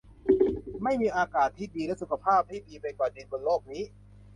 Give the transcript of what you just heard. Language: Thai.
ไม่มีอากาศที่ดีและสุขภาพที่ดีไปกว่าดินบนโลกนี้